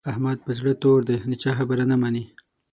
احمد پر زړه تور دی؛ د چا خبره نه مني.